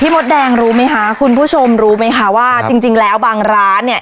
มดแดงรู้ไหมคะคุณผู้ชมรู้ไหมคะว่าจริงแล้วบางร้านเนี่ย